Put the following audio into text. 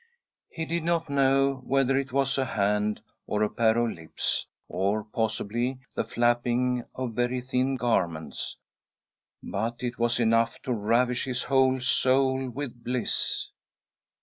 He did not know whether it was a hand, or a pair of lips — or, possibly, the flapping of very thin garments —but it was enough to ravish his whole soul with bliss.